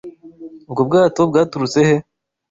Ubwo bwato bwaturutse he?